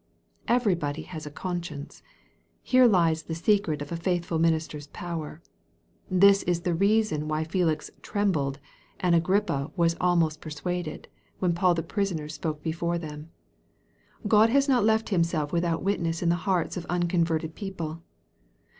Every body has a conscience. Here lies the secret of a faithful minister's power. This is the reason why Felix " trembled, ' and Agrippa was " almost persuaded," when Paul the prisoner spoke before them. God has not left Himself without witness in the hearts of uncon ?erted people.